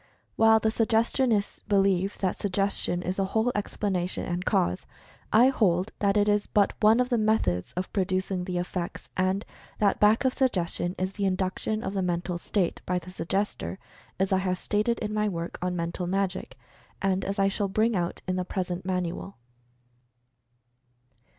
While the "Suggestionists" believe that Suggestion is the whole explanation and cause, I hold that it is but one of the methods of producing the effects, and that back of Suggestion is the Induction of the Mental State by the Suggestor, as I have stated in my work on "Mental Magic," and as I shall bring out in the present manual.